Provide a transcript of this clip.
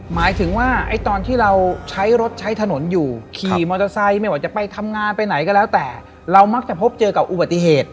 หมายถึงว่าไอ้ตอนที่เราใช้รถใช้ถนนอยู่ขี่มอเตอร์ไซค์ไม่ว่าจะไปทำงานไปไหนก็แล้วแต่เรามักจะพบเจอกับอุบัติเหตุ